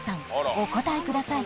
お答えください